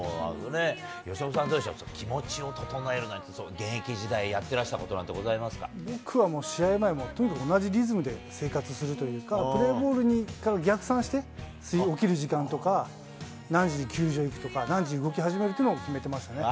由伸さん、どうでしょう、キモチを整えるなんて、現役時代、やってらしたことなんてございま僕は試合前はとにかく同じリズムで生活するというか、プレーボールに逆算して、起きる時間とか、何時に球場行くとか、何時に動き始めるっていうのを決めていましたね。